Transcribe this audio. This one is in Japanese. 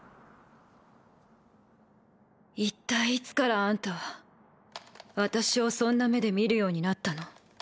一体いつからあんたは私をそんな目で見るようになったの？